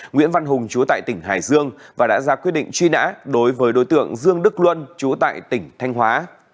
nguyễn văn hùng chú tại tỉnh hải dương và đã ra quyết định truy nã đối với đối tượng dương đức luân chú tại tỉnh thanh hóa